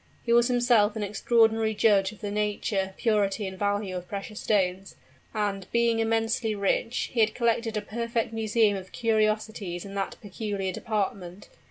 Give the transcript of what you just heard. He was himself an extraordinary judge of the nature, purity and value of precious stones; and, being immensely rich, he had collected a perfect museum of curiosities in that particular department.